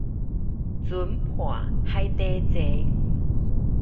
船破海底坐